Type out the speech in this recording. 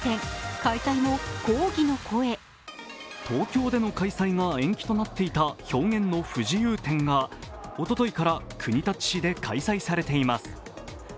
東京での開催が延期となっていた表現の不自由展がおとといから国立市で開催されています。